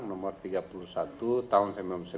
nomor tiga puluh satu tahun